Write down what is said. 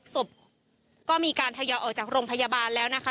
ศพก็มีการทยอยออกจากโรงพยาบาลแล้วนะคะ